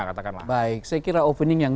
katakanlah baik saya kira opening yang